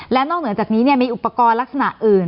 และนอกเหนือจากนี้มีอุปกรณ์ลักษณะอื่น